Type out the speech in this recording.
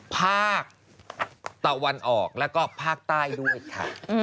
ภาคตะวันออกแล้วก็ภาคใต้ด้วยค่ะ